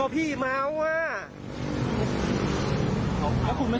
พี่เมาว่ะครับ